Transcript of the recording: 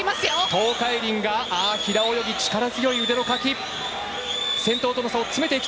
東海林が平泳ぎ力強い腕のかき。